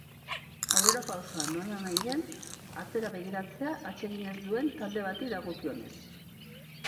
Aurrerapausoa, nolanahi den, atzera begiratzea atsegin ez duen talde bati dagokionez.